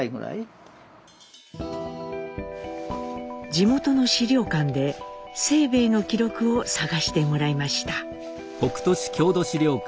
地元の資料館で清兵衛の記録を探してもらいました。